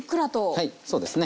はいそうですね。